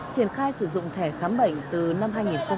triển khai sử dụng thẻ khám bệnh từ năm hai nghìn một mươi năm